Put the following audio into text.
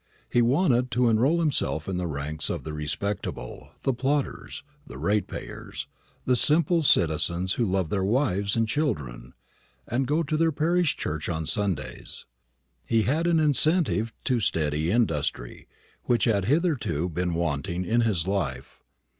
He wanted to enrol himself in the ranks of the respectable, the plodders, the ratepayers, the simple citizens who love their wives and children, and go to their parish church on Sundays. He had an incentive to steady industry, which had hitherto been wanting in his life.